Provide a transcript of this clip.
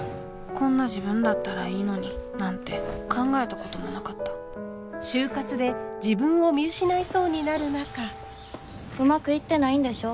「こんな自分だったらいいのに」なんて考えたこともなかったうまくいってないんでしょ？